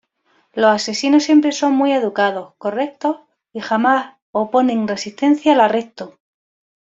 Los asesinos siempre son muy educados, correctos y jamás oponen resistencia al arresto.